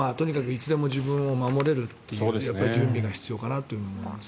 いつでも自分を守れるという準備が必要かなと思います。